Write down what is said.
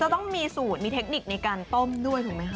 ต้องมีสูตรมีเทคนิคในการต้มด้วยถูกไหมคะ